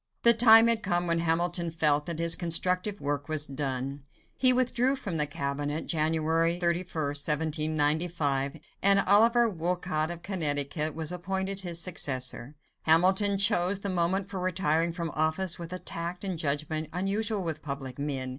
The time had come when Hamilton felt that his constructive work was done. He withdrew from the cabinet (January 31, 1795), and Oliver Wolcott of Connecticut was appointed his successor. Hamilton chose the moment for retiring from office with a tact and judgment unusual with public men.